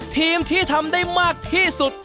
ทีมที่ทำได้มากที่สุด